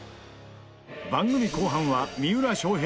番組後半は三浦翔平